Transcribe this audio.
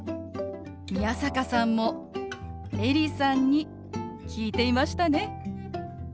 宮坂さんもエリさんに聞いていましたね。